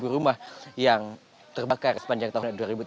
seribu rumah yang terbakar sepanjang tahun dua ribu tujuh belas